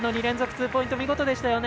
ツーポイント見事でしたよね。